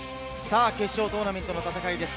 決勝トーナメントの戦いです。